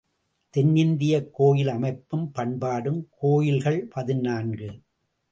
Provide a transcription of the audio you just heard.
தென்னிந்தியக் கோயில் அமைப்பும் பண்பாடும் கோயில்கள் பதினான்கு .